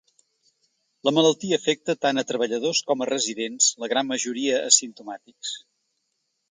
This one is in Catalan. La malaltia afecta tant a treballadors com a residents, la gran majoria asimptomàtics.